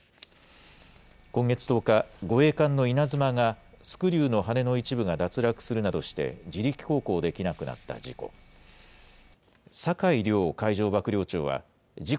今月１０日、護衛艦のいなづまが、スクリューの羽根の一部が脱落するなどして、自力航行できなくなった事故。